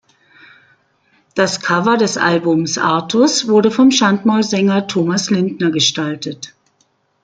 Das Cover des Albums "Artus" wurde vom Schandmaul-Sänger Thomas Lindner gestaltet.